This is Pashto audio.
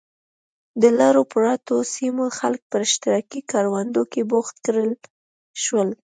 د لرو پرتو سیمو خلک په اشتراکي کروندو کې بوخت کړل شول.